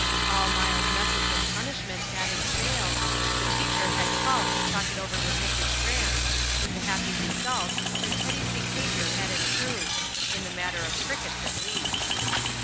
All mild methods of punishment having failed, the teacher had called to talk it over with Mrs. Grant, with the happy result that Teddy's behaviour had improved in the matter of crickets at least.